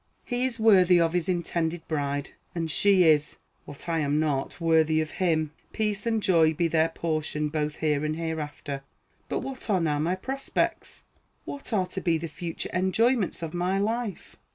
He is worthy of his intended bride, and she is what I am not worthy of him. Peace and joy be their portion both here and hereafter. But what are now my prospects? What are to be the future enjoyments of my life?